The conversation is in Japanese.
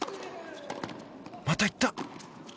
またいった。